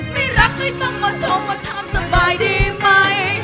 ไม่รักไม่ต้องมาโทรมาถามสบายดีไหม